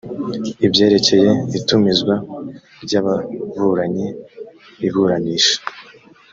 ibyerekeye itumizwa ry ababuranyi iburanisha